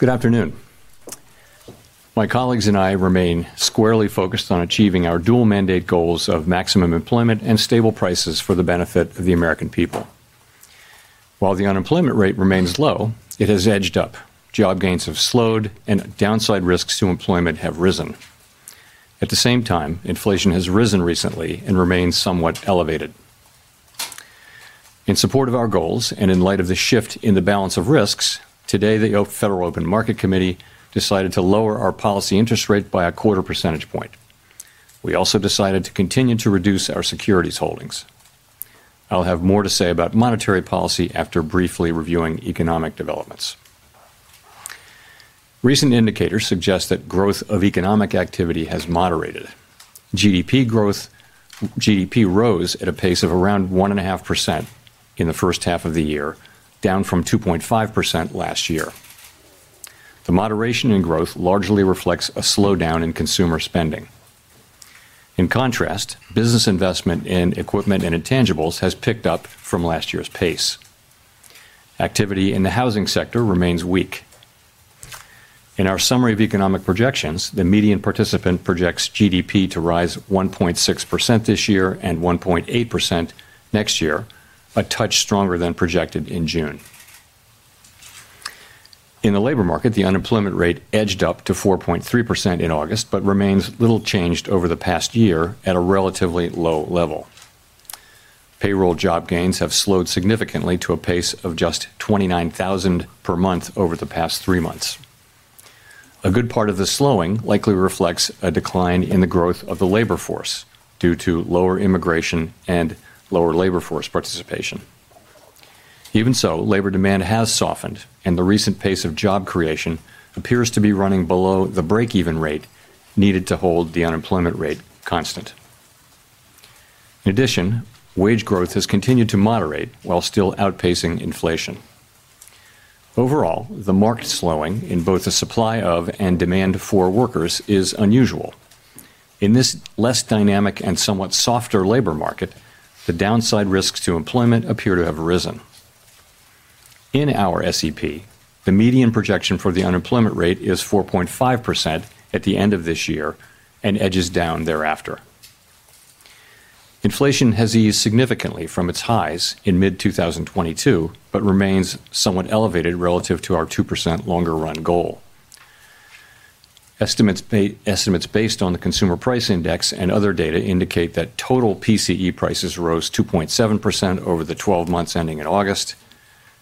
Good afternoon. My colleagues and I remain squarely focused on achieving our dual mandate goals of maximum employment and stable prices for the benefit of the American people. While the unemployment rate remains low, it has edged up. Job gains have slowed, and downside risks to employment have risen. At the same time, inflation has risen recently and remains somewhat elevated. In support of our goals and in light of the shift in the balance of risks, today the Federal Open Market Committee decided to lower our policy interest rate by 0.25%. We also decided to continue to reduce our securities holdings. I'll have more to say about monetary policy after briefly reviewing economic developments. Recent indicators suggest that growth of economic activity has moderated. GDP growth, GDP rose at a pace of around 1.5% in the first half of the year, down from 2.5% last year. The moderation in growth largely reflects a slowdown in consumer spending. In contrast, business investment in equipment and intangibles has picked up from last year's pace. Activity in the housing sector remains weak. In our Summary of Economic Projections, the median participant projects GDP to rise 1.6% this year and 1.8% next year, a touch stronger than projected in June. In the labor market, the unemployment rate edged up to 4.3% in August but remains little changed over the past year at a relatively low level. Payroll job gains have slowed significantly to a pace of just 29,000 per month over the past three months. A good part of the slowing likely reflects a decline in the growth of the labor force due to lower immigration and lower labor force participation. Even so, labor demand has softened, and the recent pace of job creation appears to be running below the break-even rate needed to hold the unemployment rate constant. In addition, wage growth has continued to moderate while still outpacing inflation. Overall, the market slowing in both the supply of and demand for workers is unusual. In this less dynamic and somewhat softer labor market, the downside risks to employment appear to have risen. In our SEP, the median projection for the unemployment rate is 4.5% at the end of this year and edges down thereafter. Inflation has eased significantly from its highs in mid-2022, but remains somewhat elevated relative to our 2% longer-run goal. Estimates based on the Consumer Price Index and other data indicate that total PCE prices rose 2.7% over the 12 months ending in August,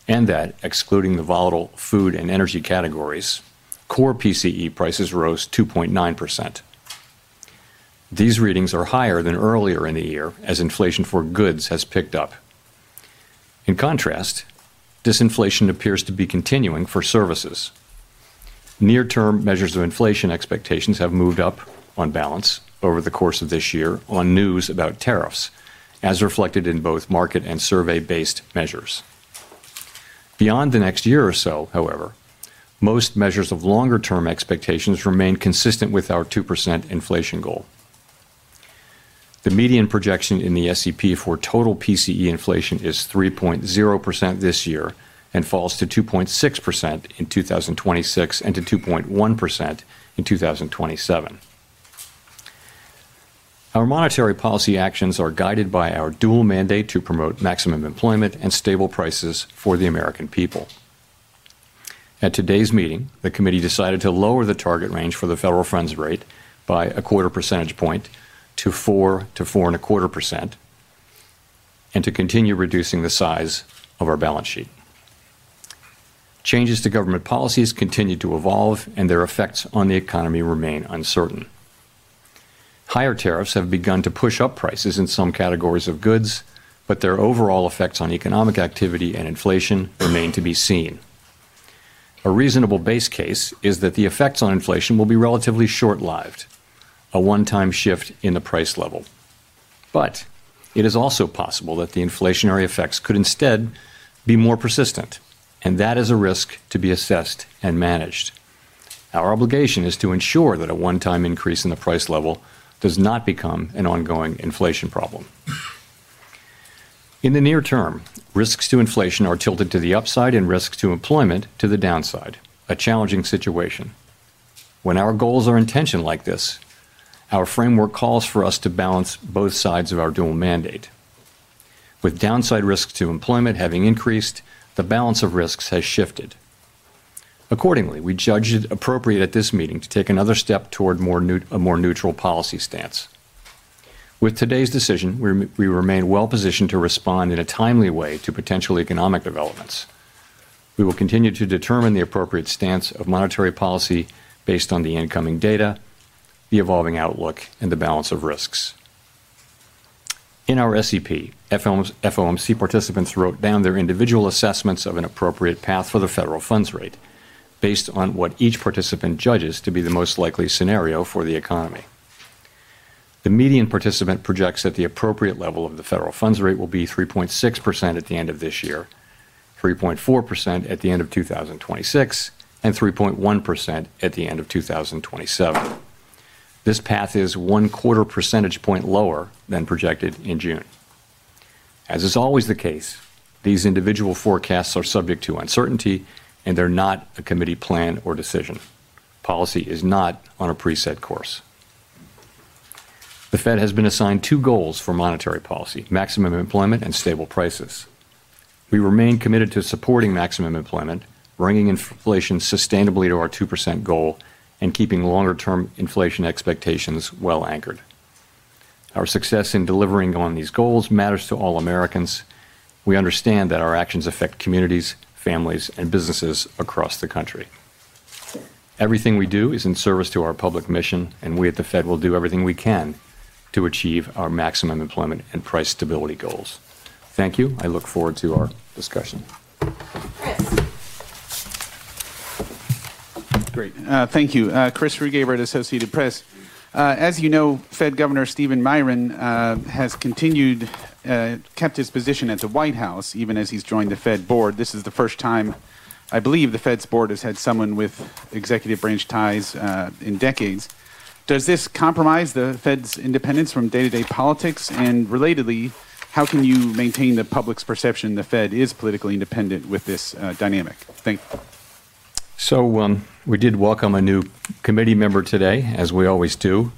and that, excluding the volatile food and energy categories, core PCE prices rose 2.9%. These readings are higher than earlier in the year as inflation for goods has picked up. In contrast, disinflation appears to be continuing for services. Near-term measures of inflation expectations have moved up on balance over the course of this year on news about tariffs, as reflected in both market and survey-based measures. Beyond the next year or so, however, most measures of longer-term expectations remain consistent with our 2% inflation goal. The median projection in the SEP for total PCE inflation is 3.0% this year and falls to 2.6% in 2026 and to 2.1% in 2027. Our monetary policy actions are guided by our dual mandate to promote maximum employment and stable prices for the American people. At today's meeting, the Committee decided to lower the target range for the federal funds rate by a quarter percentage point to 4 to 4.25% and to continue reducing the size of our balance sheet. Changes to government policies continue to evolve, and their effects on the economy remain uncertain. Higher tariffs have begun to push up prices in some categories of goods, but their overall effects on economic activity and inflation remain to be seen. A reasonable base case is that the effects on inflation will be relatively short-lived, a one-time shift in the price level. It is also possible that the inflationary effects could instead be more persistent, and that is a risk to be assessed and managed. Our obligation is to ensure that a one-time increase in the price level does not become an ongoing inflation problem. In the near term, risks to inflation are tilted to the upside and risks to employment to the downside, a challenging situation. When our goals are intentioned like this, our framework calls for us to balance both sides of our dual mandate. With downside risks to employment having increased, the balance of risks has shifted. Accordingly, we judged it appropriate at this meeting to take another step toward a more neutral policy stance. With today's decision, we remain well-positioned to respond in a timely way to potential economic developments. We will continue to determine the appropriate stance of monetary policy based on the incoming data, the evolving outlook, and the balance of risks. In our SEP, FOMC participants wrote down their individual assessments of an appropriate path for the federal funds rate based on what each participant judges to be the most likely scenario for the economy. The median participant projects that the appropriate level of the federal funds rate will be 3.6% at the end of this year, 3.4% at the end of 2026, and 3.1% at the end of 2027. This path is one quarter percentage point lower than projected in June. As is always the case, these individual forecasts are subject to uncertainty, and they're not a committee plan or decision. Policy is not on a preset course. The Fed has been assigned two goals for monetary policy: maximum employment and stable prices. We remain committed to supporting maximum employment, bringing inflation sustainably to our 2% goal, and keeping longer-term inflation expectations well anchored. Our success in delivering on these goals matters to all Americans. We understand that our actions affect communities, families, and businesses across the country. Everything we do is in service to our public mission, and we at the Fed will do everything we can to achieve our maximum employment and price stability goals. Thank you. I look forward to our discussion. Great. Thank you. Chris Rugaber, Associated Press. As you know, Fed Governor Stephen Miron has continued, kept his position at the White House even as he's joined the Fed board. This is the first time I believe the Fed's board has had someone with executive branch ties in decades. Does this compromise the Fed's independence from day-to-day politics? Relatedly, how can you maintain the public's perception the Fed is politically independent with this dynamic? Thank you. We did welcome a new committee member today, as we always do,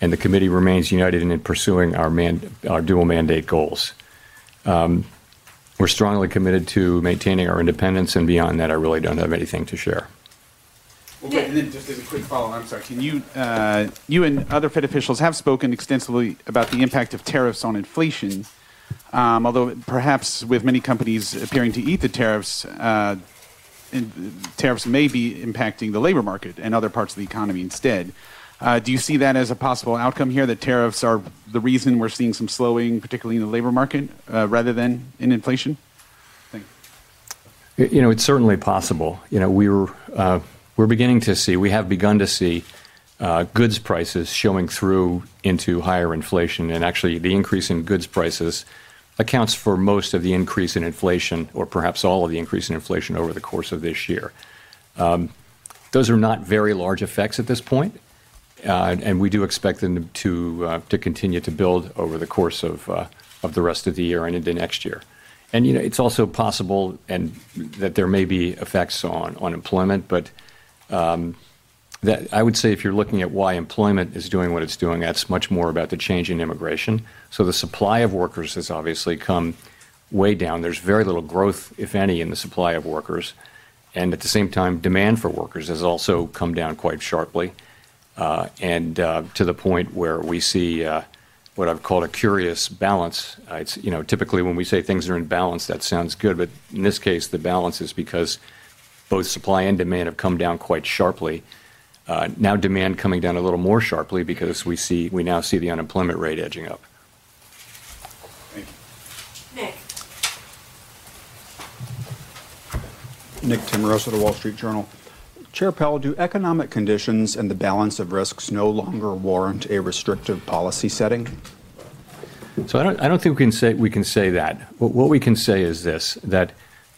and the committee remains united in pursuing our dual mandate goals. We're strongly committed to maintaining our independence, and beyond that, I really don't have anything to share. Just as a quick follow-up, I'm sorry, can you, you and other Fed officials have spoken extensively about the impact of tariffs on inflation, although perhaps with many companies appearing to eat the tariffs, and tariffs may be impacting the labor market and other parts of the economy instead. Do you see that as a possible outcome here, that tariffs are the reason we're seeing some slowing, particularly in the labor market rather than in inflation? It's certainly possible. We're beginning to see, we have begun to see goods prices showing through into higher inflation, and actually the increase in goods prices accounts for most of the increase in inflation, or perhaps all of the increase in inflation over the course of this year. Those are not very large effects at this point, and we do expect them to continue to build over the course of the rest of the year and into next year. It's also possible that there may be effects on unemployment, but I would say if you're looking at why employment is doing what it's doing, that's much more about the change in immigration. The supply of workers has obviously come way down. There's very little growth, if any, in the supply of workers. At the same time, demand for workers has also come down quite sharply and to the point where we see what I've called a curious balance. Typically when we say things are in balance, that sounds good, but in this case, the balance is because both supply and demand have come down quite sharply. Now demand is coming down a little more sharply because we now see the unemployment rate edging up. Nick Timiraos of The Wall Street Journal. Chair Powell, do economic conditions and the balance of risks no longer warrant a restrictive policy setting? I don't think we can say that. What we can say is this: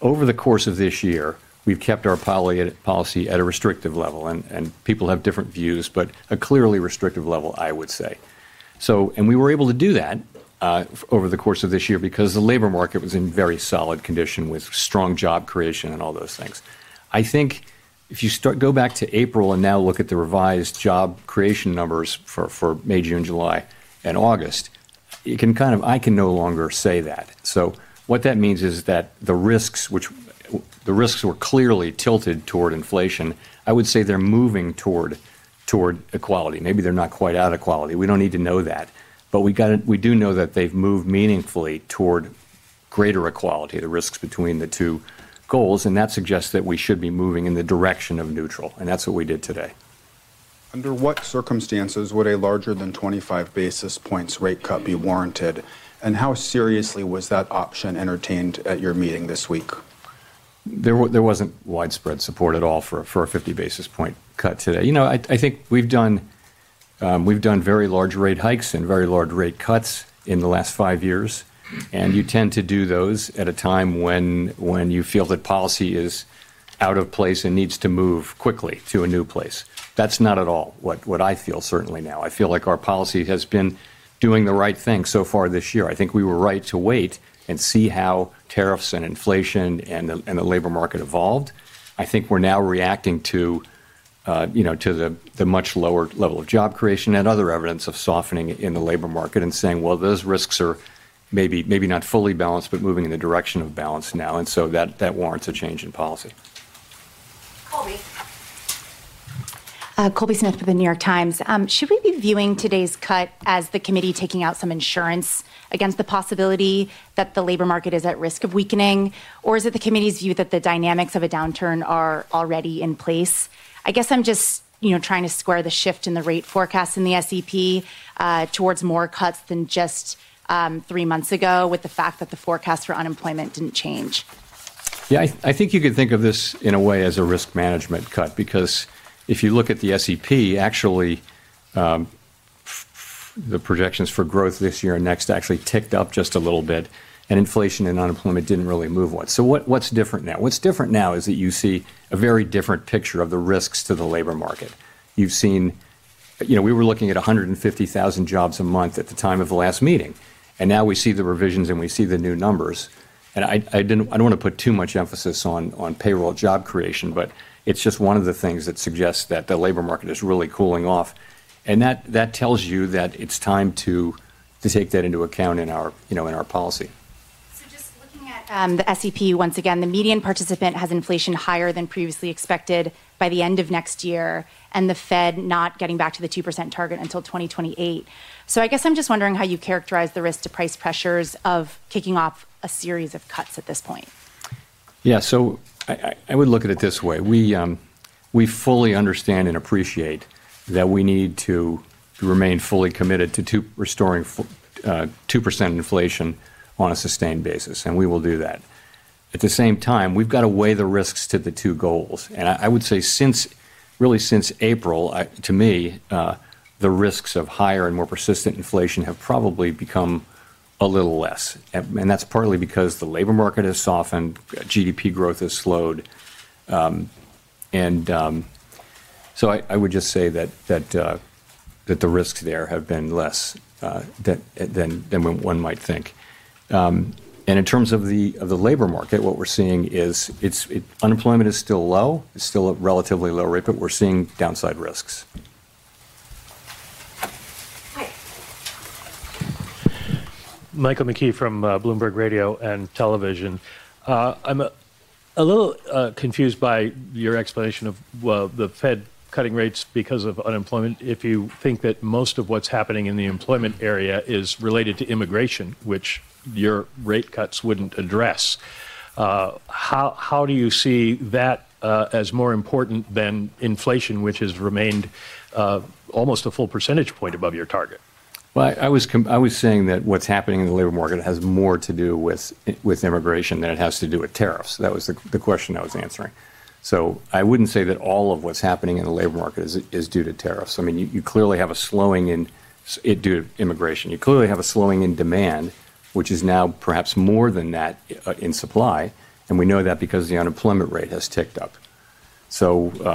over the course of this year, we've kept our policy at a restrictive level, and people have different views, but a clearly restrictive level, I would say. We were able to do that over the course of this year because the labor market was in very solid condition with strong job creation and all those things. If you go back to April and now look at the revised job creation numbers for May, June, July, and August, I can no longer say that. What that means is that the risks, which were clearly tilted toward inflation, I would say they're moving toward equality. Maybe they're not quite at equality. We don't need to know that, but we do know that they've moved meaningfully toward greater equality, the risks between the two goals, and that suggests that we should be moving in the direction of neutral, and that's what we did today. Under what circumstances would a larger than 25 basis points rate cut be warranted, and how seriously was that option entertained at your meeting this week? There wasn't widespread support at all for a 50 basis point cut today. I think we've done very large rate hikes and very large rate cuts in the last five years, and you tend to do those at a time when you feel that policy is out of place and needs to move quickly to a new place. That's not at all what I feel certainly now. I feel like our policy has been doing the right thing so far this year. I think we were right to wait and see how tariffs and inflation and the labor market evolved. I think we're now reacting to the much lower level of job creation and other evidence of softening in the labor market and saying those risks are maybe not fully balanced, but moving in the direction of balance now, and that warrants a change in policy. Colby Smith for The New York Times. Should we be viewing today's cut as the committee taking out some insurance against the possibility that the labor market is at risk of weakening, or is it the committee's view that the dynamics of a downturn are already in place? I'm just trying to square the shift in the rate forecast in the SEP towards more cuts than just three months ago with the fact that the forecast for unemployment didn't change. Yeah, I think you could think of this in a way as a risk management cut, because if you look at the SEP, actually the projections for growth this year and next actually ticked up just a little bit, and inflation and unemployment didn't really move much. What's different now is that you see a very different picture of the risks to the labor market. You've seen, we were looking at 150,000 jobs a month at the time of the last meeting, and now we see the revisions and we see the new numbers. I don't want to put too much emphasis on payroll job creation, but it's just one of the things that suggests that the labor market is really cooling off. That tells you that it's time to take that into account in our policy. Just looking at the SEP once again, the median participant has inflation higher than previously expected by the end of next year, and the Fed not getting back to the 2% target until 2028. I guess I'm just wondering how you characterize the risk to price pressures of kicking off a series of cuts at this point. Yeah, I would look at it this way. We fully understand and appreciate that we need to remain fully committed to restoring 2% inflation on a sustained basis, and we will do that. At the same time, we've got to weigh the risks to the two goals. I would say since, really since April, to me, the risks of higher and more persistent inflation have probably become a little less, and that's partly because the labor market has softened, GDP growth has slowed, and I would just say that the risks there have been less than one might think. In terms of the labor market, what we're seeing is unemployment is still low, it's still at a relatively low rate, but we're seeing downside risks. Michael McKee from Bloomberg Radio and Television. I'm a little confused by your explanation of the Fed cutting rates because of unemployment. If you think that most of what's happening in the employment area is related to immigration, which your rate cuts wouldn't address, how do you see that as more important than inflation, which has remained almost a full percentage point above your target? I was saying that what's happening in the labor market has more to do with immigration than it has to do with tariffs. That was the question I was answering. I wouldn't say that all of what's happening in the labor market is due to tariffs. You clearly have a slowing in due to immigration. You clearly have a slowing in demand, which is now perhaps more than that in supply, and we know that because the unemployment rate has ticked up. That's what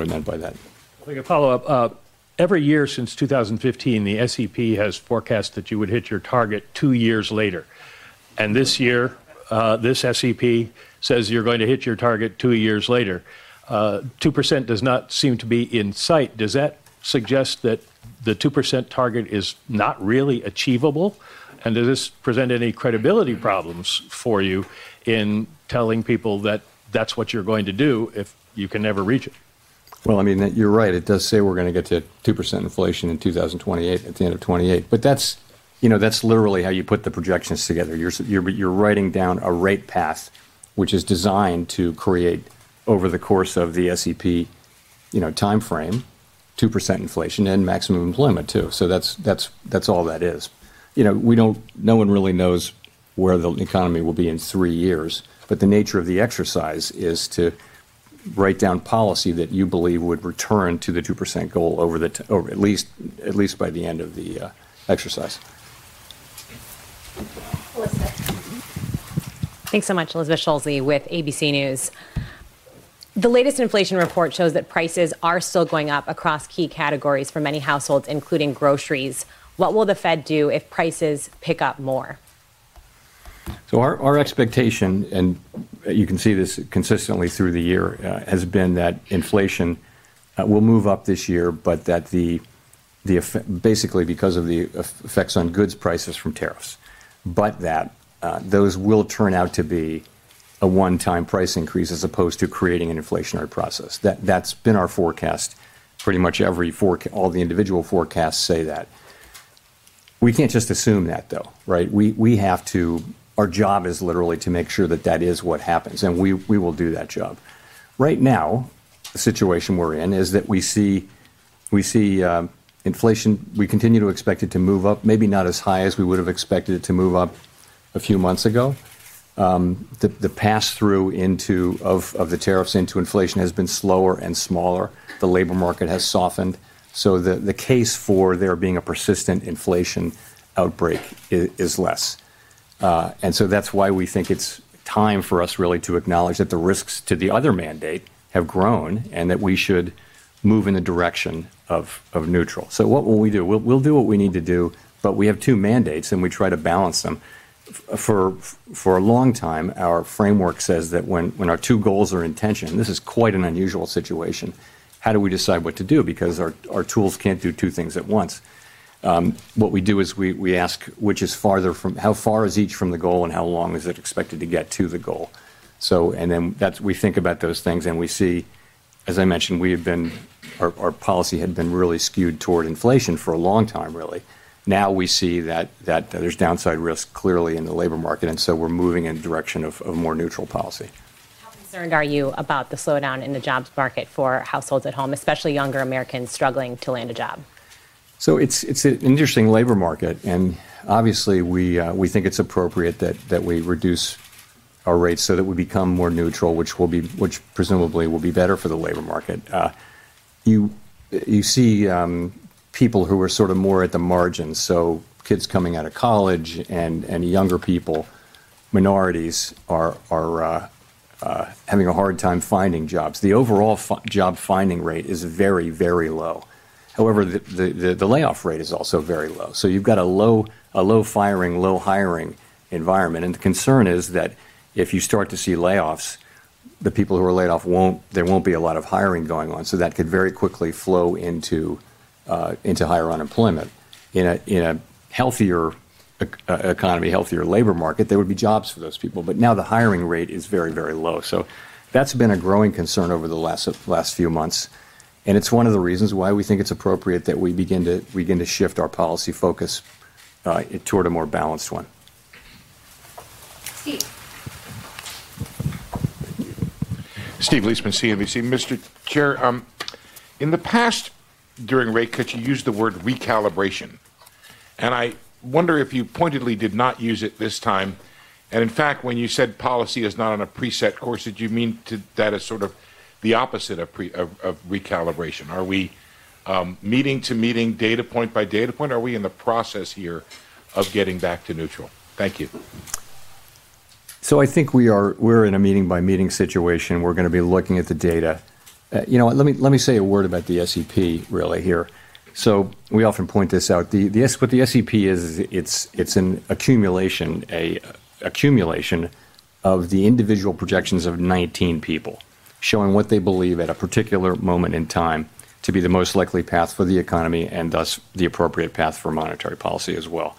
I meant by that. I'll make a follow-up. Every year since 2015, the SEP has forecast that you would hit your target two years later, and this year, this SEP says you're going to hit your target two years later. 2% does not seem to be in sight. Does that suggest that the 2% target is not really achievable? Does this present any credibility problems for you in telling people that that's what you're going to do if you can never reach it? You are right. It does say we're going to get to 2% inflation in 2028 at the end of 2028, but that's literally how you put the projections together. You're writing down a rate path which is designed to create, over the course of the SEP timeframe, 2% inflation and maximum employment too. That's all that is. No one really knows where the economy will be in three years, but the nature of the exercise is to write down policy that you believe would return to the 2% goal at least by the end of the exercise. Thanks so much, Elizabeth Schulze with ABC News. The latest inflation report shows that prices are still going up across key categories for many households, including groceries. What will the Fed do if prices pick up more? Our expectation, and you can see this consistently through the year, has been that inflation will move up this year, basically because of the effects on goods prices from tariffs. Those will turn out to be a one-time price increase as opposed to creating an inflationary process. That's been our forecast pretty much every forecast. All the individual forecasts say that. We can't just assume that though, right? Our job is literally to make sure that that is what happens, and we will do that job. Right now, the situation we're in is that we see inflation, we continue to expect it to move up, maybe not as high as we would have expected it to move up a few months ago. The pass-through of the tariffs into inflation has been slower and smaller. The labor market has softened, so the case for there being a persistent inflation outbreak is less. That's why we think it's time for us really to acknowledge that the risks to the other mandate have grown and that we should move in the direction of neutral. What will we do? We'll do what we need to do, but we have two mandates and we try to balance them. For a long time, our framework says that when our two goals are in tension, this is quite an unusual situation. How do we decide what to do? Because our tools can't do two things at once. What we do is we ask, which is farther from, how far is each from the goal and how long is it expected to get to the goal? We think about those things and we see, as I mentioned, our policy had been really skewed toward inflation for a long time, really. Now we see that there's downside risk clearly in the labor market, and we're moving in the direction of more neutral policy. concerned are you about the slowdown in the jobs market for households at home, especially younger Americans struggling to land a job? It's an interesting labor market, and obviously we think it's appropriate that we reduce our rates so that we become more neutral, which presumably will be better for the labor market. You see people who are sort of more at the margins, so kids coming out of college and younger people, minorities are having a hard time finding jobs. The overall job finding rate is very, very low. However, the layoff rate is also very low. You've got a low firing, low hiring environment, and the concern is that if you start to see layoffs, the people who are laid off won't, there won't be a lot of hiring going on. That could very quickly flow into higher unemployment. In a healthier economy, healthier labor market, there would be jobs for those people, but now the hiring rate is very, very low. That's been a growing concern over the last few months, and it's one of the reasons why we think it's appropriate that we begin to shift our policy focus toward a more balanced one. Steve Leesman CNBC. Mr. Chair, in the past during rate cuts, you used the word recalibration, and I wonder if you pointedly did not use it this time. In fact, when you said policy is not on a preset course, did you mean that is sort of the opposite of recalibration? Are we meeting to meeting data point by data point? Are we in the process here of getting back to neutral? Thank you. I think we are in a meeting by meeting situation. We're going to be looking at the data. Let me say a word about the SEP here. We often point this out. What the SEP is, is it's an accumulation of the individual projections of 19 people showing what they believe at a particular moment in time to be the most likely path for the economy and thus the appropriate path for monetary policy as well.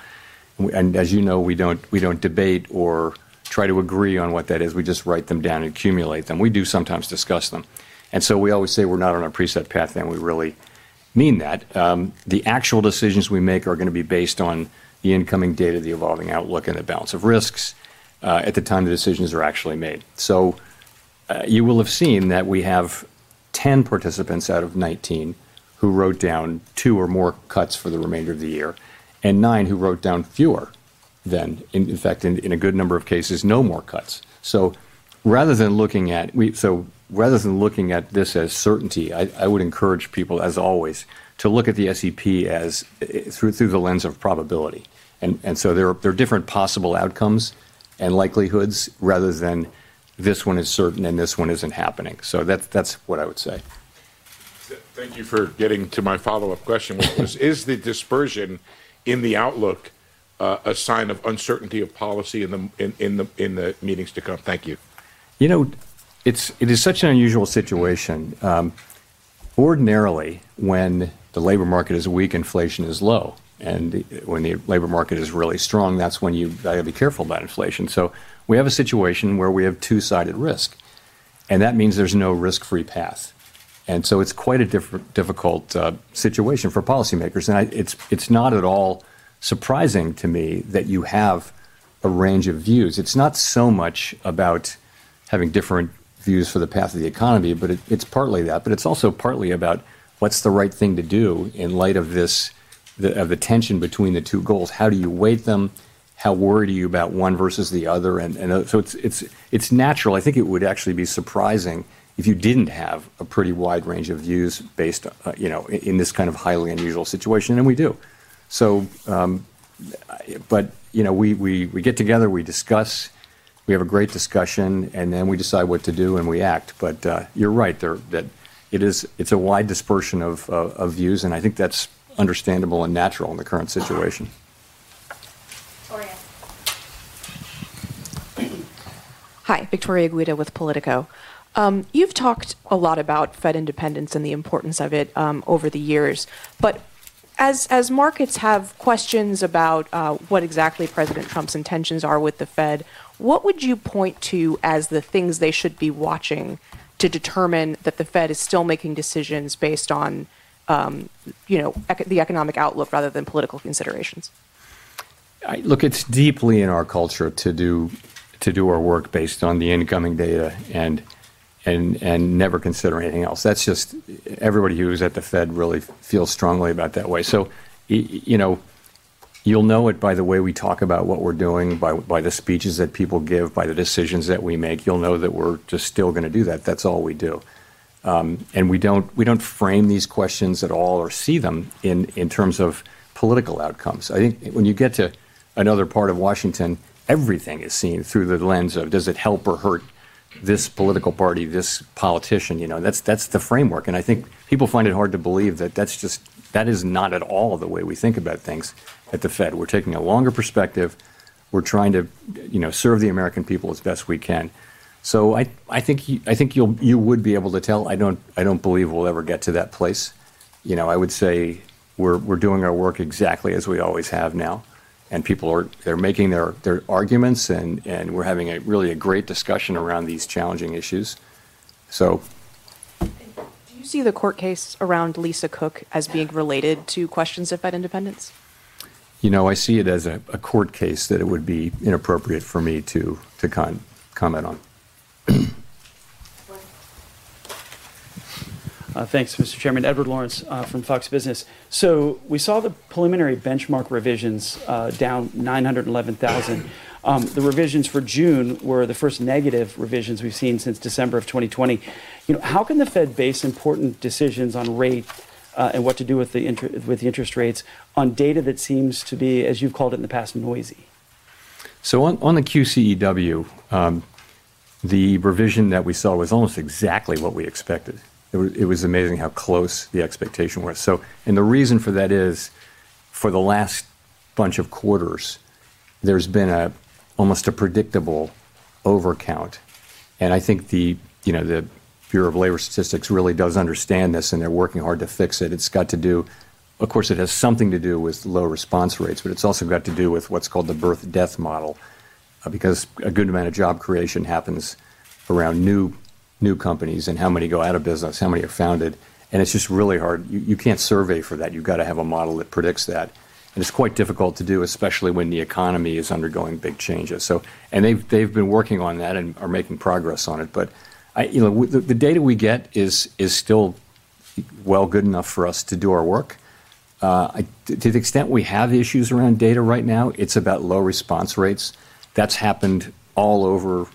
As you know, we don't debate or try to agree on what that is. We just write them down and accumulate them. We do sometimes discuss them. We always say we're not on a preset path, and we really mean that. The actual decisions we make are going to be based on the incoming data, the evolving outlook, and the balance of risks at the time the decisions are actually made. You will have seen that we have 10 participants out of 19 who wrote down two or more cuts for the remainder of the year and nine who wrote down fewer than, in fact, in a good number of cases, no more cuts. Rather than looking at this as certainty, I would encourage people, as always, to look at the SEP through the lens of probability. There are different possible outcomes and likelihoods rather than this one is certain and this one isn't happening. That's what I would say. Thank you for getting to my follow-up question, which is, is the dispersion in the outlook a sign of uncertainty of policy in the meetings to come? Thank you. It is such an unusual situation. Ordinarily, when the labor market is weak, inflation is low. When the labor market is really strong, that's when you got to be careful about inflation. We have a situation where we have two-sided risk, and that means there's no risk-free path. It's quite a difficult situation for policymakers, and it's not at all surprising to me that you have a range of views. It's not so much about having different views for the path of the economy, but it's partly that. It's also partly about what's the right thing to do in light of the tension between the two goals. How do you weight them? How worried are you about one versus the other? It's natural. I think it would actually be surprising if you didn't have a pretty wide range of views based in this kind of highly unusual situation, and we do. We get together, we discuss, we have a great discussion, and then we decide what to do and we act. You're right that it is a wide dispersion of views, and I think that's understandable and natural in the current situation. Hi, Victoria Guida with Politico. You've talked a lot about Fed independence and the importance of it over the years. As markets have questions about what exactly President Trump's intentions are with the Fed, what would you point to as the things they should be watching to determine that the Fed is still making decisions based on the economic outlook rather than political considerations? Look, it's deeply in our culture to do our work based on the incoming data and never consider anything else. That's just everybody who's at the Fed really feels strongly about that way. You'll know it by the way we talk about what we're doing, by the speeches that people give, by the decisions that we make. You'll know that we're just still going to do that. That's all we do. We don't frame these questions at all or see them in terms of political outcomes. I think when you get to another part of Washington, everything is seen through the lens of does it help or hurt this political party, this politician, you know, that's the framework. I think people find it hard to believe that is not at all the way we think about things at the Fed. We're taking a longer perspective. We're trying to serve the American people as best we can. I think you would be able to tell. I don't believe we'll ever get to that place. I would say we're doing our work exactly as we always have now. People are making their arguments, and we're having really a great discussion around these challenging issues. Do you see the court case around Lisa Cook as being related to questions of Fed independence? I see it as a court case that it would be inappropriate for me to comment on. Thanks, Mr. Chairman. Edward Lawrence from Fox Business. We saw the preliminary benchmark revisions down 911,000. The revisions for June were the first negative revisions we've seen since December 2020. How can the Fed base important decisions on rate and what to do with the interest rates on data that seems to be, as you've called it in the past, noisy? On the QCEW, the revision that we saw was almost exactly what we expected. It was amazing how close the expectation was. The reason for that is for the last bunch of quarters, there's been almost a predictable overcount. I think the Bureau of Labor Statistics really does understand this, and they're working hard to fix it. It's got to do, of course, with low response rates, but it's also got to do with what's called the birth-death model, because a good amount of job creation happens around new companies and how many go out of business, how many are founded. It's just really hard. You can't survey for that. You've got to have a model that predicts that. It's quite difficult to do, especially when the economy is undergoing big changes. They've been working on that and are making progress on it. The data we get is still well good enough for us to do our work. To the extent we have issues around data right now, it's about low response rates. That's happened all over,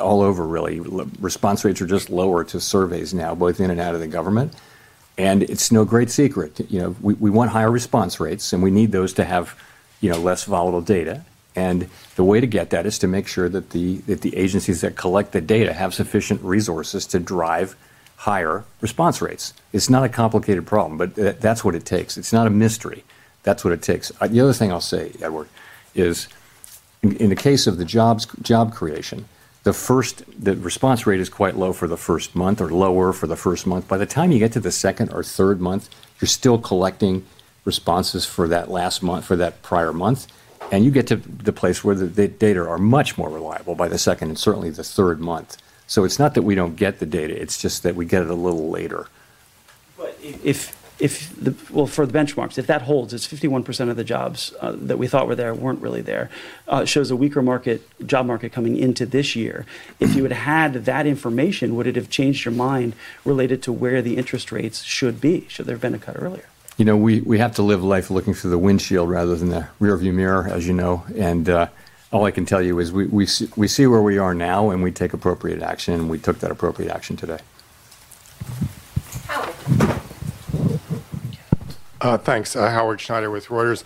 really. Response rates are just lower to surveys now, both in and out of the government. It's no great secret. We want higher response rates, and we need those to have less volatile data. The way to get that is to make sure that the agencies that collect the data have sufficient resources to drive higher response rates. It's not a complicated problem, but that's what it takes. It's not a mystery. That's what it takes. The other thing I'll say, Edward, is in the case of the job creation, the response rate is quite low for the first month or lower for the first month. By the time you get to the second or third month, you're still collecting responses for that last month, for that prior month. You get to the place where the data are much more reliable by the second and certainly the third month. It's not that we don't get the data. It's just that we get it a little later. For the benchmarks, if that holds, it's 51% of the jobs that we thought were there weren't really there, shows a weaker job market coming into this year. If you had had that information, would it have changed your mind related to where the interest rates should be? Should there have been a cut earlier? You know, we have to live life looking through the windshield rather than the rearview mirror, as you know. All I can tell you is we see where we are now, and we take appropriate action, and we took that appropriate action today. Thanks. Howard Schneider with Reuters.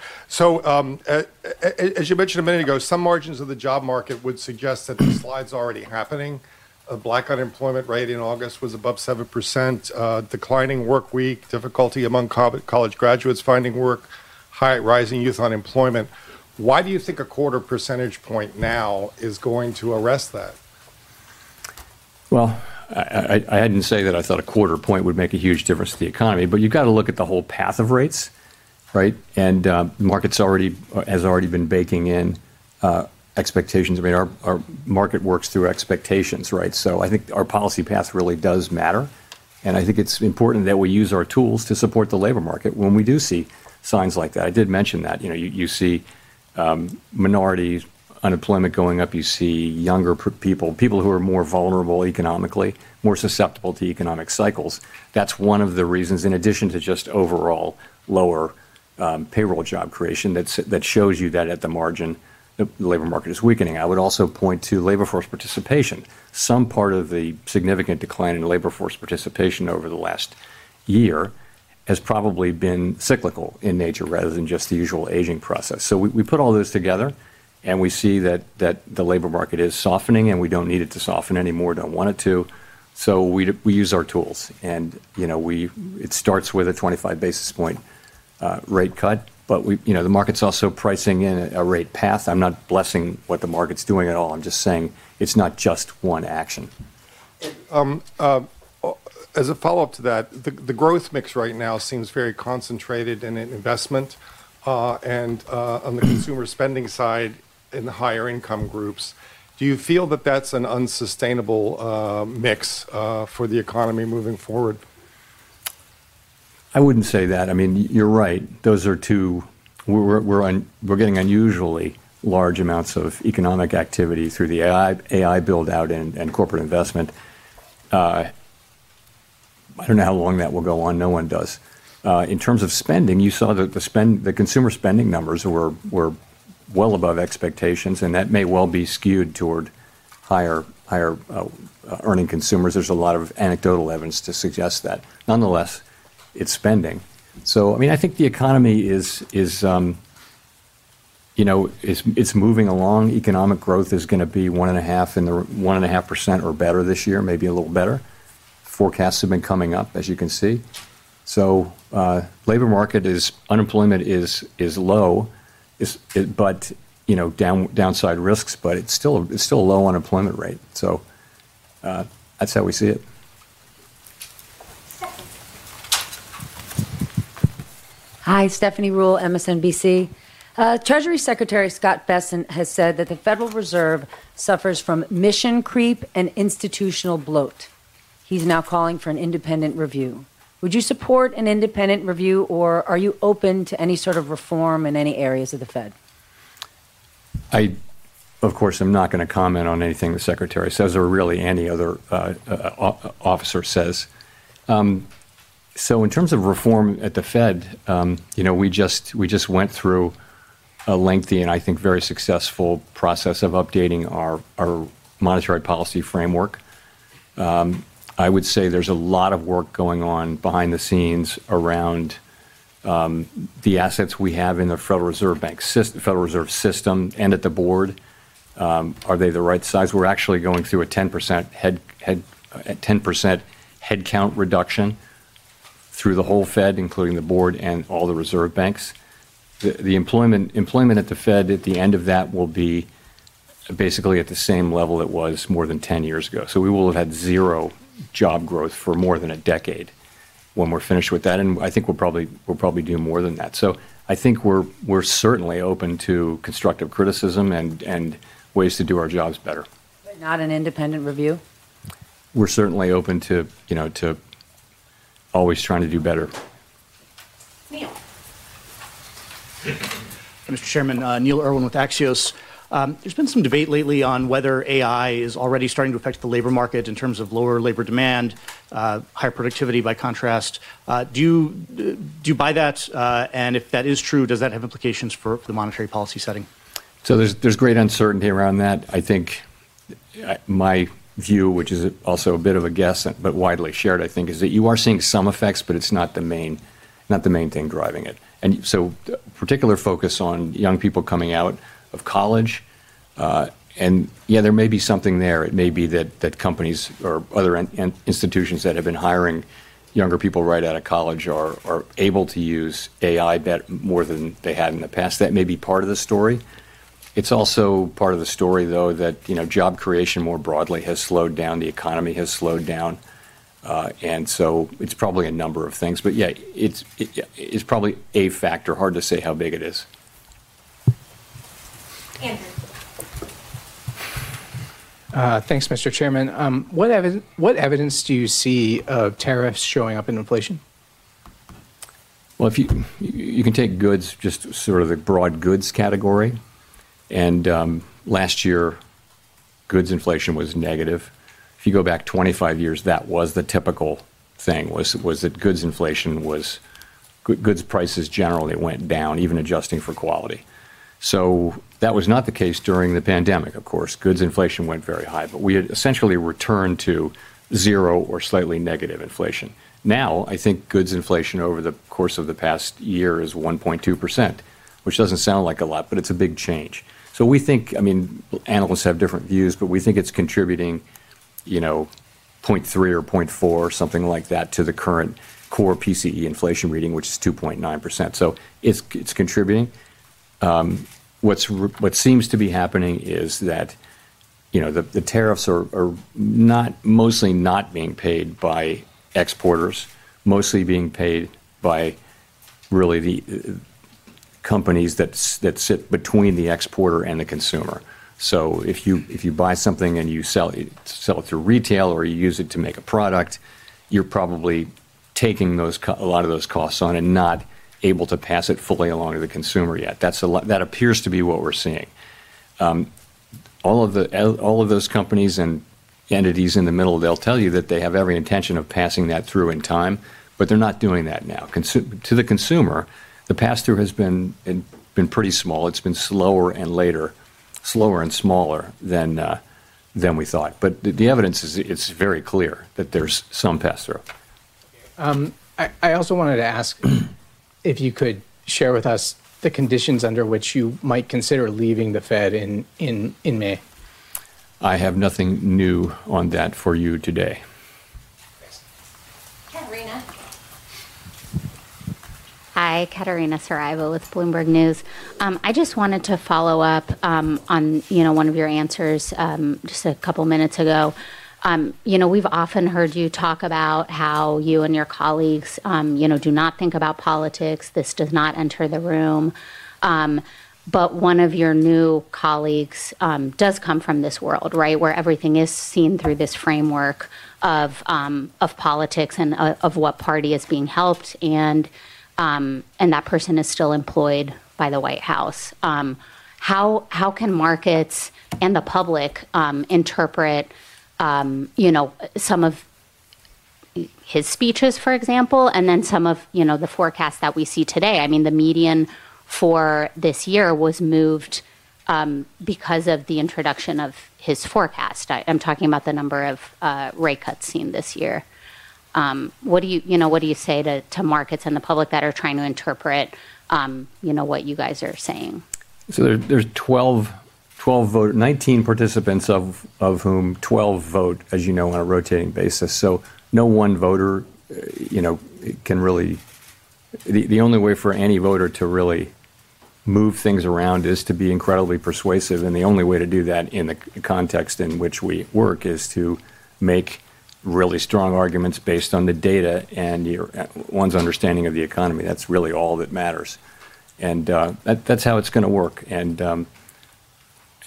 As you mentioned a minute ago, some margins of the job market would suggest that this slide is already happening. Black unemployment rate in August was above 7%, declining work week, difficulty among college graduates finding work, high rising youth unemployment. Why do you think a quarter percentage point now is going to arrest that? I hadn't said that I thought a quarter point would make a huge difference to the economy, but you've got to look at the whole path of rates, right? The market has already been baking in expectations. I mean, our market works through expectations, right? I think our policy path really does matter. I think it's important that we use our tools to support the labor market when we do see signs like that. I did mention that, you know, you see minority unemployment going up. You see younger people, people who are more vulnerable economically, more susceptible to economic cycles. That's one of the reasons, in addition to just overall lower payroll job creation, that shows you that at the margin, the labor market is weakening. I would also point to labor force participation. Some part of the significant decline in labor force participation over the last year has probably been cyclical in nature rather than just the usual aging process. We put all this together, and we see that the labor market is softening, and we don't need it to soften anymore. We don't want it to. We use our tools, and it starts with a 25 basis point rate cut, but the market's also pricing in a rate path. I'm not blessing what the market's doing at all. I'm just saying it's not just one action. As a follow-up to that, the growth mix right now seems very concentrated in investment and on the consumer spending side in the higher income groups. Do you feel that that's an unsustainable mix for the economy moving forward? I wouldn't say that. I mean, you're right. Those are two, we're getting unusually large amounts of economic activity through the AI build-out and corporate investment. I don't know how long that will go on. No one does. In terms of spending, you saw that the consumer spending numbers were well above expectations, and that may well be skewed toward higher earning consumers. There's a lot of anecdotal evidence to suggest that. Nonetheless, it's spending. I think the economy is, you know, it's moving along. Economic growth is going to be 1.5% or better this year, maybe a little better. Forecasts have been coming up, as you can see. The labor market unemployment is low, downside risks, but it's still a low unemployment rate. That's how we see it. Hi, Stephanie Ruhle, MSNBC. Treasury Secretary Scott Besson has said that the Federal Reserve suffers from mission creep and institutional bloat. He's now calling for an independent review. Would you support an independent review, or are you open to any sort of reform in any areas of the Fed? I, of course, am not going to comment on anything the Secretary says or really any other officer says. In terms of reform at the Federal Reserve, we just went through a lengthy and I think very successful process of updating our monetary policy framework. I would say there's a lot of work going on behind the scenes around the assets we have in the Federal Reserve System and at the board. Are they the right size? We're actually going through a 10% headcount reduction through the whole Federal Reserve, including the board and all the reserve banks. The employment at the Federal Reserve at the end of that will be basically at the same level it was more than 10 years ago. We will have had zero job growth for more than a decade when we're finished with that. I think we'll probably do more than that. We're certainly open to constructive criticism and ways to do our jobs better. Not an independent review? We're certainly open to always trying to do better. Mr. Chairman, Neil Irwin with Axios. There's been some debate lately on whether AI is already starting to affect the labor market in terms of lower labor demand, higher productivity by contrast. Do you buy that? If that is true, does that have implications for the monetary policy setting? There is great uncertainty around that. I think my view, which is also a bit of a guess, but widely shared, I think, is that you are seeing some effects, but it's not the main thing driving it. Particular focus is on young people coming out of college. Yeah, there may be something there. It may be that companies or other institutions that have been hiring younger people right out of college are able to use AI more than they had in the past. That may be part of the story. It's also part of the story, though, that job creation more broadly has slowed down. The economy has slowed down, so it's probably a number of things. Yeah, it's probably a factor. Hard to say how big it is. Thanks, Mr. Chairman. What evidence do you see of tariffs showing up in inflation? If you can take goods, just sort of the broad goods category, last year, goods inflation was negative. If you go back 25 years, that was the typical thing, was that goods inflation was, goods prices generally went down, even adjusting for quality. That was not the case during the pandemic, of course. Goods inflation went very high, but we had essentially returned to zero or slightly negative inflation. Now, I think goods inflation over the course of the past year is 1.2%, which doesn't sound like a lot, but it's a big change. We think, analysts have different views, but we think it's contributing, you know, 0.3% or 0.4%, something like that, to the current core PCE inflation reading, which is 2.9%. It's contributing. What seems to be happening is that the tariffs are not mostly not being paid by exporters, mostly being paid by really the companies that sit between the exporter and the consumer. If you buy something and you sell it through retail or you use it to make a product, you're probably taking a lot of those costs on and not able to pass it fully along to the consumer yet. That appears to be what we're seeing. All of those companies and entities in the middle, they'll tell you that they have every intention of passing that through in time, but they're not doing that now. To the consumer, the pass-through has been pretty small. It's been slower and later, slower and smaller than we thought. The evidence is it's very clear that there's some pass-through. I also wanted to ask if you could share with us the conditions under which you might consider leaving the Federal Reserve in May. I have nothing new on that for you today. Hi, Katarina Saraibo with Bloomberg News. I just wanted to follow up on one of your answers a couple of minutes ago. We've often heard you talk about how you and your colleagues do not think about politics. This does not enter the room. One of your new colleagues does come from this world, right, where everything is seen through this framework of politics and of what party is being helped, and that person is still employed by the White House. How can markets and the public interpret some of his speeches, for example, and then some of the forecast that we see today? I mean, the median for this year was moved because of the introduction of his forecast. I'm talking about the number of rate cuts seen this year. What do you say to markets and the public that are trying to interpret what you guys are saying? There are 19 participants, of whom 12 vote, as you know, on a rotating basis. No one voter can really, the only way for any voter to really move things around is to be incredibly persuasive. The only way to do that in the context in which we work is to make really strong arguments based on the data and one's understanding of the economy. That's really all that matters, and that's how it's going to work.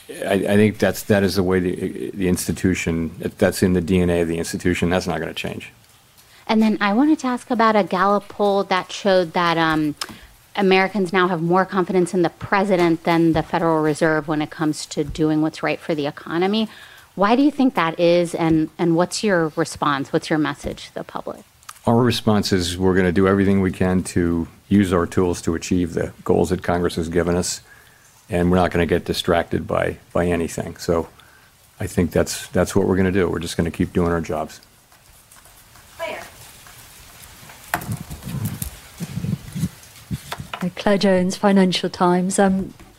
I think that is the way the institution, if that's in the DNA of the institution, that's not going to change. I wanted to ask about a Gallup poll that showed that Americans now have more confidence in the president than the Federal Reserve when it comes to doing what's right for the economy. Why do you think that is, and what's your response? What's your message to the public? Our response is we're going to do everything we can to use our tools to achieve the goals that Congress has given us, and we're not going to get distracted by anything. I think that's what we're going to do. We're just going to keep doing our jobs.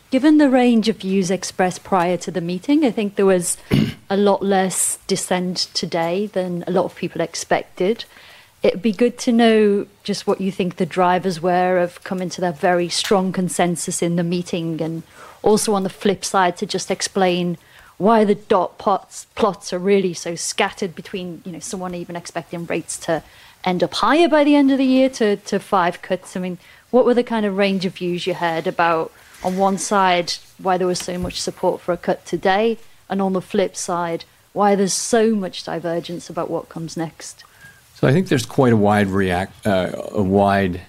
Given the range of views expressed prior to the meeting, I think there was a lot less dissent today than a lot of people expected. It'd be good to know just what you think the drivers were of coming to that very strong consensus in the meeting, and also on the flip side to just explain why the dot plots are really so scattered between, you know, someone even expecting rates to end up higher by the end of the year to five cuts. I mean, what were the kind of range of views you had about on one side why there was so much support for a cut today, and on the flip side why there's so much divergence about what comes next? I think there's quite a wide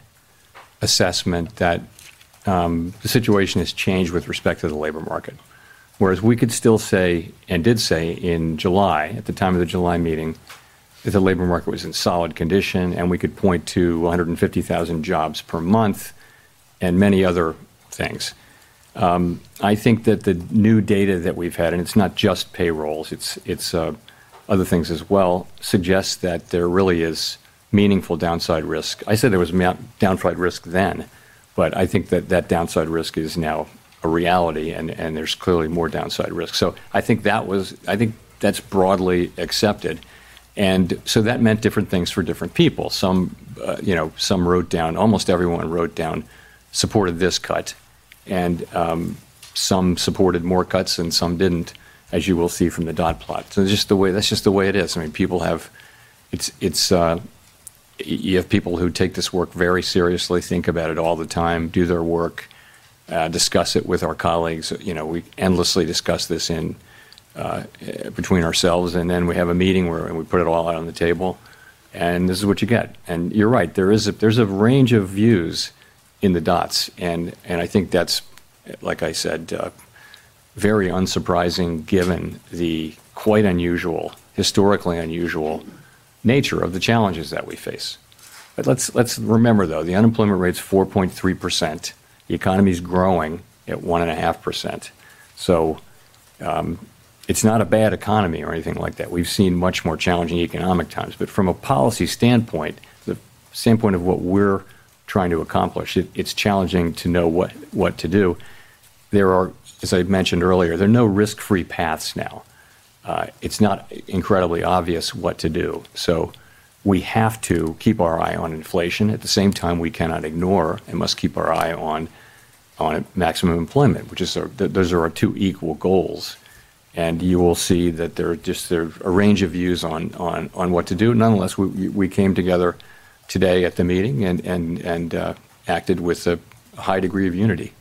assessment that the situation has changed with respect to the labor market. Whereas we could still say, and did say in July, at the time of the July meeting, that the labor market was in solid condition, and we could point to 150,000 jobs per month and many other things. I think that the new data that we've had, and it's not just payrolls, it's other things as well, suggests that there really is meaningful downside risk. I said there was downside risk then, but I think that that downside risk is now a reality, and there's clearly more downside risk. I think that's broadly accepted. That meant different things for different people. Some wrote down, almost everyone wrote down, supported this cut, and some supported more cuts and some didn't, as you will see from the dot plot. That's just the way it is. People have, you have people who take this work very seriously, think about it all the time, do their work, discuss it with our colleagues. We endlessly discuss this in between ourselves, and then we have a meeting where we put it all out on the table, and this is what you get. You're right, there is a range of views in the dots, and I think that's, like I said, very unsurprising given the quite unusual, historically unusual nature of the challenges that we face. Let's remember though, the unemployment rate's 4.3%. The economy's growing at 1.5%. It's not a bad economy or anything like that. We've seen much more challenging economic times, but from a policy standpoint, the standpoint of what we're trying to accomplish, it's challenging to know what to do. There are, as I mentioned earlier, no risk-free paths now. It's not incredibly obvious what to do. We have to keep our eye on inflation. At the same time, we cannot ignore and must keep our eye on maximum employment, which is, those are our two equal goals. You will see that there are just a range of views on what to do. Nonetheless, we came together today at the meeting and acted with a high degree of unity.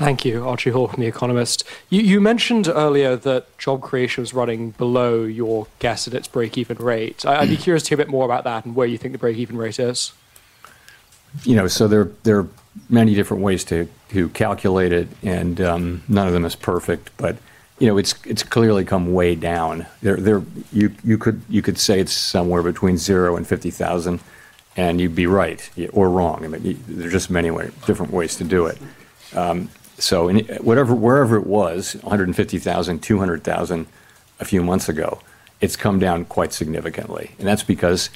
Thank you, Archie Hall from The Economist. You mentioned earlier that job creation was running below your guess at its break-even rate. I'd be curious to hear a bit more about that and where you think the break-even rate is. There are many different ways to calculate it, and none of them is perfect, but it's clearly come way down. You could say it's somewhere between zero and 50,000, and you'd be right or wrong. There are just many different ways to do it. Wherever it was, 150,000, 200,000 a few months ago, it's come down quite significantly. That's because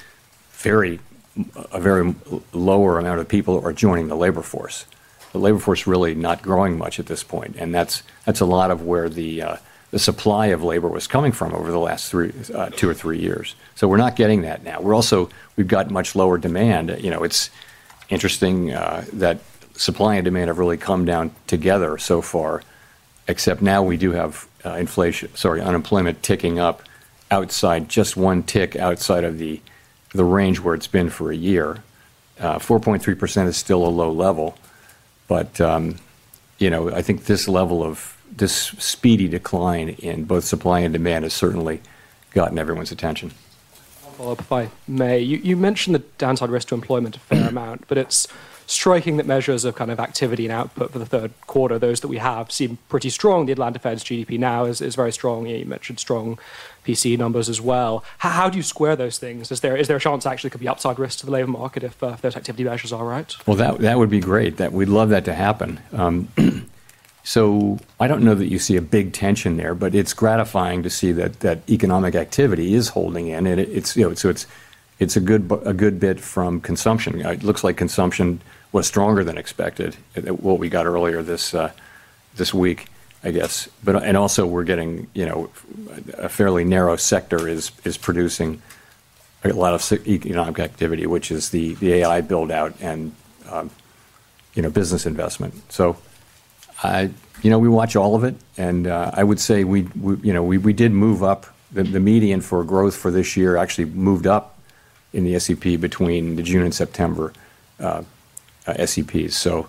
a very lower amount of people are joining the labor force. The labor force is really not growing much at this point. That's a lot of where the supply of labor was coming from over the last two or three years. We're not getting that now. We've got much lower demand. It's interesting that supply and demand have really come down together so far, except now we do have unemployment ticking up just one tick outside of the range where it's been for a year. 4.3% is still a low level, but I think this level of this speedy decline in both supply and demand has certainly gotten everyone's attention. I'll follow up if I may. You mentioned the downside risk to employment a fair amount, but it's striking that measures of kind of activity and output for the third quarter, those that we have seem pretty strong. The Atlanta Fed's GDP now is very strong. You mentioned strong PCE numbers as well. How do you square those things? Is there a chance actually it could be upside risk to the labor market if those activity measures are right? That would be great. We'd love that to happen. I don't know that you see a big tension there, but it's gratifying to see that economic activity is holding in. It's a good bit from consumption. It looks like consumption was stronger than expected at what we got earlier this week, I guess. We're getting a fairly narrow sector producing a lot of economic activity, which is the AI build-out and business investment. We watch all of it. I would say we did move up the median for growth for this year, actually moved up in the Summary of Economic Projections between the June and September SEPs.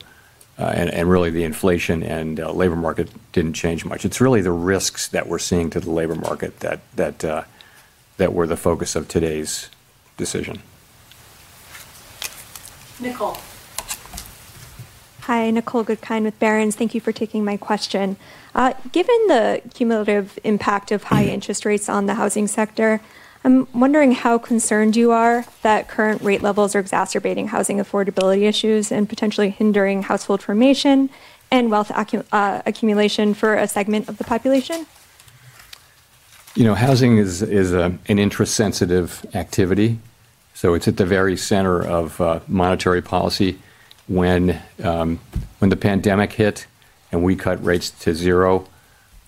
Really, the inflation and labor market didn't change much. It's really the risks that we're seeing to the labor market that were the focus of today's decision. Hi, Nicole Goodkind with Barrons. Thank you for taking my question. Given the cumulative impact of high interest rates on the housing sector, I'm wondering how concerned you are that current rate levels are exacerbating housing affordability issues and potentially hindering household formation and wealth accumulation for a segment of the population. Housing is an interest-sensitive activity. It is at the very center of monetary policy. When the pandemic hit and we cut rates to zero,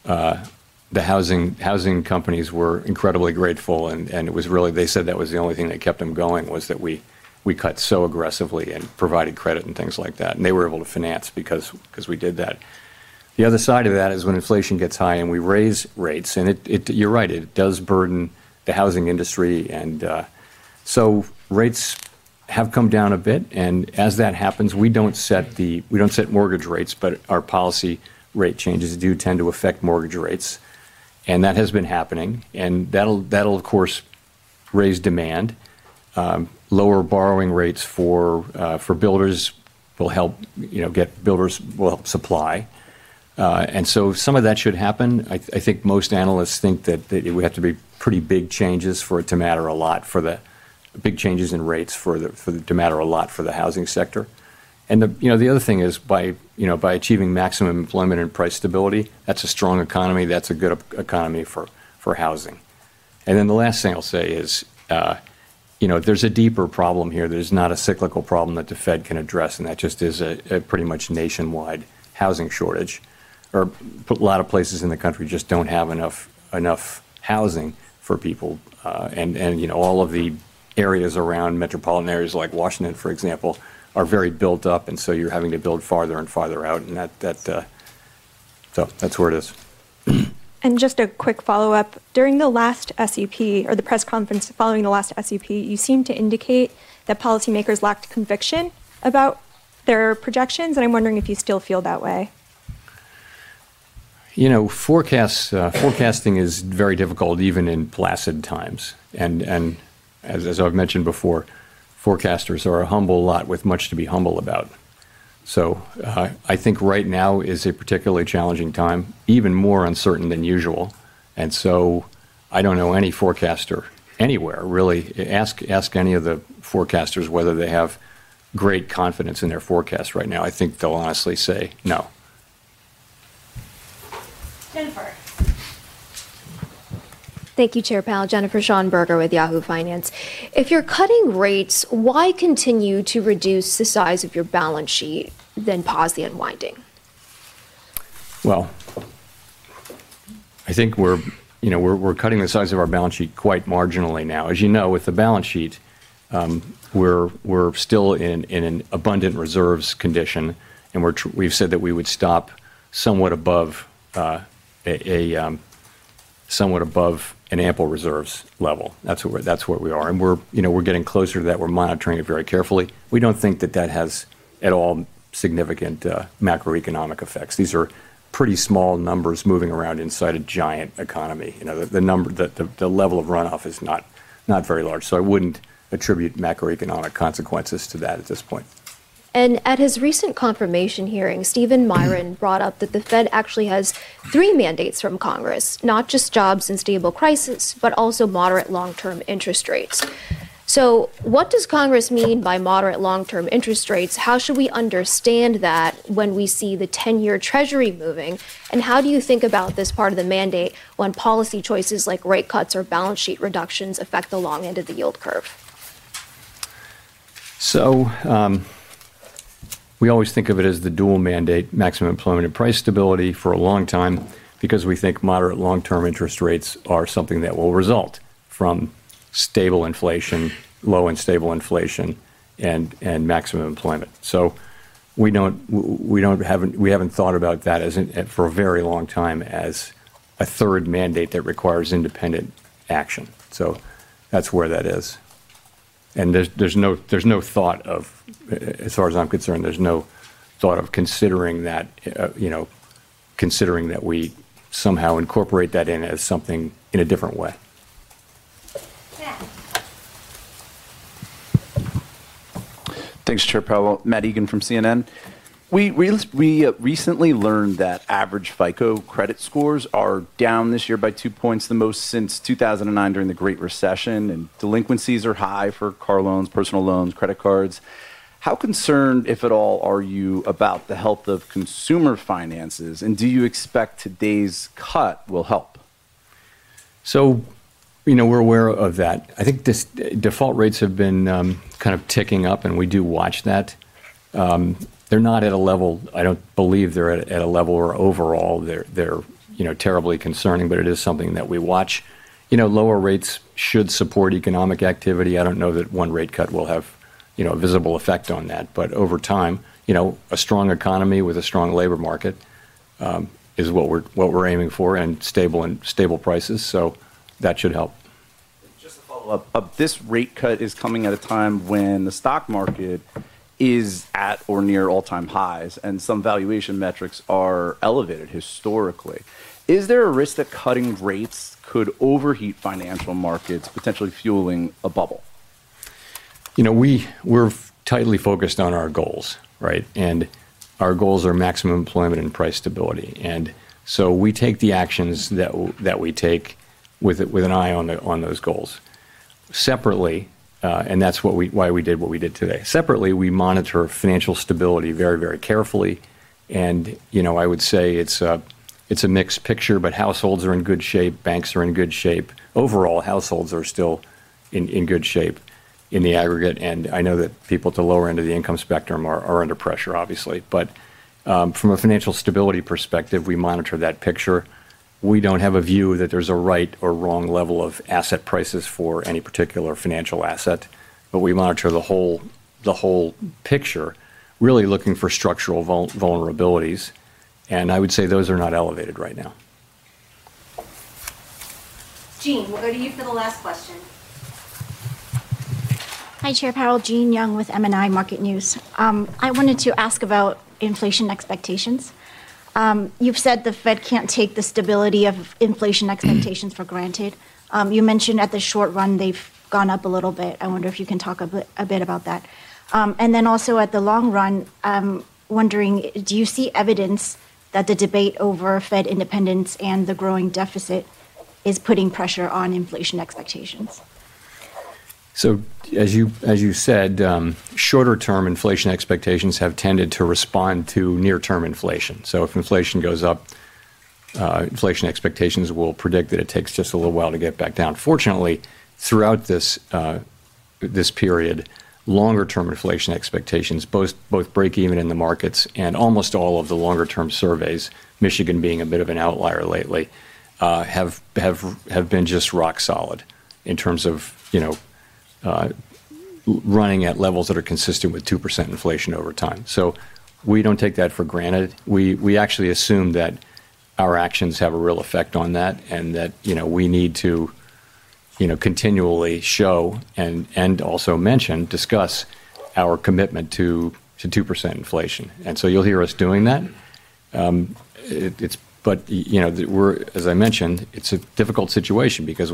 the housing companies were incredibly grateful. They said that was the only thing that kept them going, that we cut so aggressively and provided credit and things like that. They were able to finance because we did that. The other side of that is when inflation gets high and we raise rates. You are right, it does burden the housing industry. Rates have come down a bit. As that happens, we do not set mortgage rates, but our policy rate changes do tend to affect mortgage rates. That has been happening. That will, of course, raise demand. Lower borrowing rates for builders will help get builders, will help supply. Some of that should happen. I think most analysts think that there have to be pretty big changes in rates for it to matter a lot for the housing sector. The other thing is by achieving maximum employment and price stability, that is a strong economy. That is a good economy for housing. The last thing I will say is there is a deeper problem here that is not a cyclical problem that the Federal Reserve can address. That is a pretty much nationwide housing shortage. A lot of places in the country just do not have enough housing for people. All of the areas around metropolitan areas like Washington, for example, are very built up. You are having to build farther and farther out. That is where it is. Just a quick follow-up. During the last Summary of Economic Projections or the press conference following the last Summary of Economic Projections, you seemed to indicate that policymakers lacked conviction about their projections. I'm wondering if you still feel that way. Forecasting is very difficult even in placid times. As I've mentioned before, forecasters are a humble lot with much to be humble about. I think right now is a particularly challenging time, even more uncertain than usual. I don't know any forecaster anywhere. Really, ask any of the forecasters whether they have great confidence in their forecast right now. I think they'll honestly say no. Thank you, Chair Powell. Jennifer Schaumberger with Yahoo Finance. If you're cutting rates, why continue to reduce the size of your balance sheet, then pause the unwinding? I think we're cutting the size of our balance sheet quite marginally now. As you know, with the balance sheet, we're still in an abundant reserves condition. We've said that we would stop somewhat above an ample reserves level. That's what we are, and we're getting closer to that. We're monitoring it very carefully. We don't think that that has at all significant macroeconomic effects. These are pretty small numbers moving around inside a giant economy. The level of runoff is not very large. I wouldn't attribute macroeconomic consequences to that at this point. At his recent confirmation hearing, Stephen Miron brought up that the Fed actually has three mandates from Congress, not just jobs and stable prices, but also moderate long-term interest rates. What does Congress mean by moderate long-term interest rates? How should we understand that when we see the 10-year Treasury moving? How do you think about this part of the mandate when policy choices like rate cuts or balance sheet reductions affect the long end of the yield curve? We always think of it as the dual mandate, maximum employment and price stability, for a long time because we think moderate long-term interest rates are something that will result from stable inflation, low and stable inflation, and maximum employment. We haven't thought about that for a very long time as a third mandate that requires independent action. That's where that is. As far as I'm concerned, there's no thought of considering that, you know, considering that we somehow incorporate that in as something in a different way. Thanks, Chair Powell. Matt Egan from CNN. We recently learned that average FICO credit scores are down this year by 2 points, the most since 2009 during the Great Recession, and delinquencies are high for car loans, personal loans, credit cards. How concerned, if at all, are you about the health of consumer finances, and do you expect today's cut will help? We're aware of that. I think default rates have been kind of ticking up, and we do watch that. They're not at a level, I don't believe they're at a level where overall they're terribly concerning, but it is something that we watch. Lower rates should support economic activity. I don't know that one rate cut will have a visible effect on that, but over time, a strong economy with a strong labor market is what we're aiming for and stable prices. That should help. Just to follow up, this rate cut is coming at a time when the stock market is at or near all-time highs, and some valuation metrics are elevated historically. Is there a risk that cutting rates could overheat financial markets, potentially fueling a bubble? We're tightly focused on our goals, right? Our goals are maximum employment and price stability. We take the actions that we take with an eye on those goals. That's why we did what we did today. Separately, we monitor financial stability very, very carefully. I would say it's a mixed picture, but households are in good shape. Banks are in good shape. Overall, households are still in good shape in the aggregate. I know that people at the lower end of the income spectrum are under pressure, obviously. From a financial stability perspective, we monitor that picture. We don't have a view that there's a right or wrong level of asset prices for any particular financial asset, but we monitor the whole picture, really looking for structural vulnerabilities. I would say those are not elevated right now. Jean, what do you say the last question? Hi, Chair Powell. Jean Young with M&I Market News. I wanted to ask about inflation expectations. You've said the Fed can't take the stability of inflation expectations for granted. You mentioned at the short run they've gone up a little bit. I wonder if you can talk a bit about that. Also, at the long run, I'm wondering, do you see evidence that the debate over Fed independence and the growing deficit is putting pressure on inflation expectations? As you said, shorter-term inflation expectations have tended to respond to near-term inflation. If inflation goes up, inflation expectations will predict that it takes just a little while to get back down. Fortunately, throughout this period, longer-term inflation expectations, both break-even in the markets and almost all of the longer-term surveys, Michigan being a bit of an outlier lately, have been just rock solid in terms of running at levels that are consistent with 2% inflation over time. We do not take that for granted. We actually assume that our actions have a real effect on that and that we need to continually show and also mention, discuss our commitment to 2% inflation. You will hear us doing that. As I mentioned, it is a difficult situation because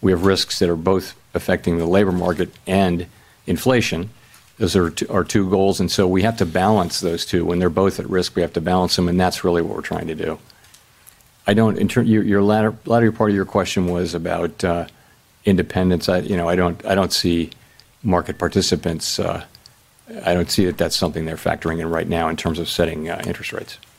we have risks that are both affecting the labor market and inflation. Those are our two goals, so we have to balance those two. When they are both at risk, we have to balance them. That is really what we are trying to do. Your latter part of your question was about independence. I do not see market participants. I do not see that that is something they are factoring in right now in terms of setting interest rates.